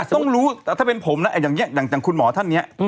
ต้องรู้แต่ถ้าเป็นผมนะอย่างนี้อย่างคุณหมอท่านนี้